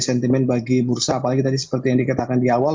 jadi sentimen bagi bursa apalagi tadi seperti yang dikatakan di awal